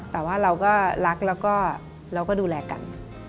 แต่ว่าเราก็รักแล้วก็เราก็ดูแลกัน